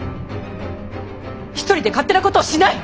一人で勝手なことをしない！